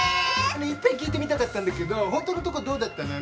一遍聞いてみたかったんだけど本当のとこどうだったの？